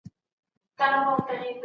کروسینسکي د محمود د پوهې ستاینه وکړه.